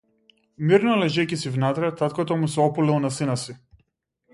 Мирно лежејќи си внатре, таткото му се опулил на сина си.